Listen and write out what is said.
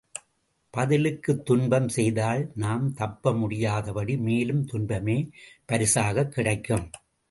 பதிலுக்குத் துன்பம் செய்தால், நாம் தப்ப முடியாதபடி மேலும் துன்பமே பரிசாகக் கிடைக்கும்.